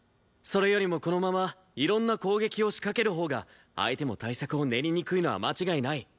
それよりもこのままいろんな攻撃を仕掛けるほうが相手も対策を練りにくいのは間違いない。